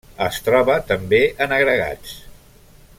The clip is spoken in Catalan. Es troba també en agregats.